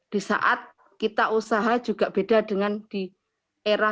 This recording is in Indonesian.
di saat kita usaha juga beda dengan di era